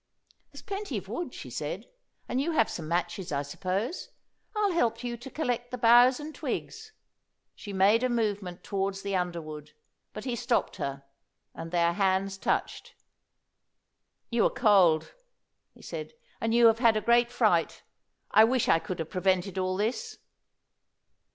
"There's plenty of wood," she said, "and you have some matches, I suppose? I'll help you to collect the boughs and twigs." She made a movement towards the underwood, but he stopped her, and their hands touched. "You are cold," he said, "and you had a great fright. I wish I could have prevented all this."